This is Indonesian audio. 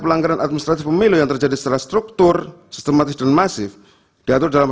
pelanggaran administrasi pemilu yang terjadi secara struktur sistematis dan masif diatur dalam